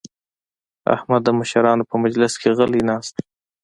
احمد د مشرانو په مجلس کې غلی ناست وي.